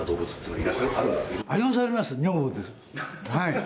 はい。